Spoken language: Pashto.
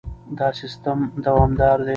دا سیستم دوامدار دی.